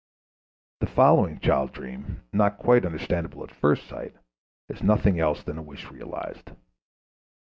The following child dream, not quite understandable at first sight, is nothing else than a wish realized.